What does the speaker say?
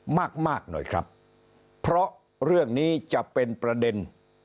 มากมากหน่อยครับเพราะเรื่องนี้จะเป็นประเด็น